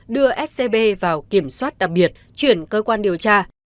đưa scb vào kiểm soát đặc biệt chuyển cơ quan điều tra